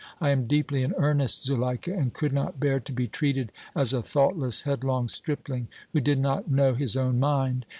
I am deeply in earnest, Zuleika, and could not bear to be treated as a thoughtless, headlong stripling, who did not know his own mind.